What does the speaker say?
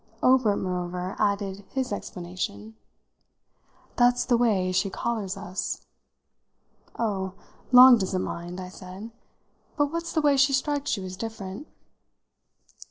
Obert moreover added his explanation. "That's the way she collars us." "Oh, Long doesn't mind," I said. "But what's the way she strikes you as different?"